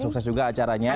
terima kasih juga acaranya